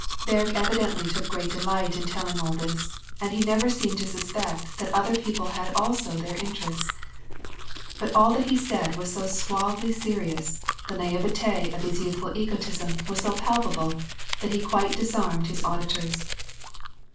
Berg evidently took great delight in telling all this, and he never seemed to suspect that other people had also their inter ests. But all that he said was so suavely serious, the naivete of his youthful egotism was so palpable, that he quite disarmed his auditors.